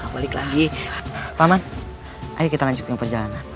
balik lagi paman ayo kita lanjutkan perjalanan